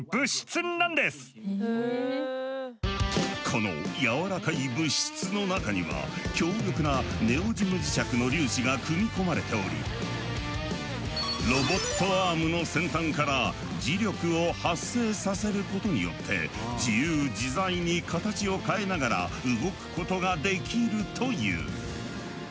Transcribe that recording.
このやわらかい物質の中には強力なネオジム磁石の粒子が組み込まれておりロボットアームの先端から磁力を発生させることによって自由自在に形を変えながら動くことができるという。